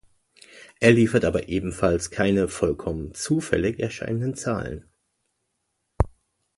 Er liefert aber ebenfalls keine vollkommen zufällig erscheinenden Zahlen.